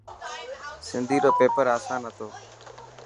سنڌي رو پيپر اسان هتو.